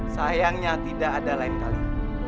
sayangnya tidak ada lain kali